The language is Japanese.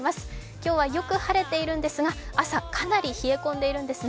今日はよく晴れているんですが、朝かなり冷え込んでいるんですね。